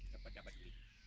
dapat dapat uang